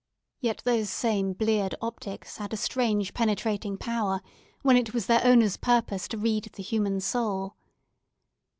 Yet those same bleared optics had a strange, penetrating power, when it was their owner's purpose to read the human soul.